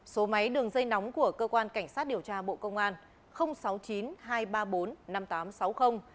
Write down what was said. số máy đường dây nóng của cơ quan cảnh sát điều tra bộ công an